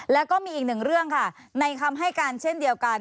แล้วก็มีอีกหนึ่งเรื่องค่ะในคำให้การเช่นเดียวกัน